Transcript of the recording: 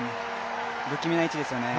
不気味な位置ですよね。